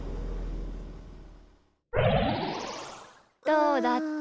どうだった？